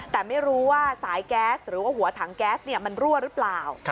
แต่ไม่รู้ว่าสายแก๊สหรือว่าหัวถังแก๊สมันรั่วหรือเปล่า